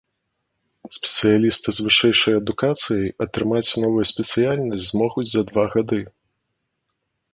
Спецыялісты з вышэйшай адукацыяй атрымаць новую спецыяльнасць змогуць за два гады.